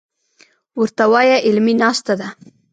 ورته وايه علمي ناسته ده.